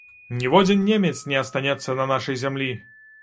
Ніводзін немец не астанецца на нашай зямлі!